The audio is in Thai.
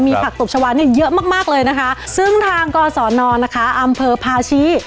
ผักตบชาวาเนี่ยเยอะมากมากเลยนะคะซึ่งทางกศนนะคะอำเภอพาชี้